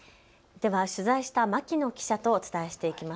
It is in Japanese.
では取材した牧野記者とお伝えしていきます。